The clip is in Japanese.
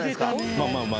まあまあまあ